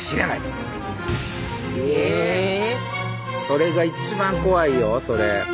それが一番怖いよそれ。